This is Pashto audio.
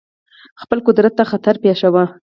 خپل قدرت ته خطر پېښاوه.